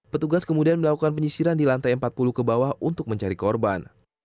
petugas kemudian melakukan penyisiran di lantai empat puluh ke bawah untuk mencari korban